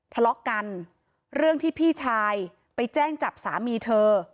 ทะเลาะกันเรื่องที่พี่ชายไปแจ้งจับสามีเธอ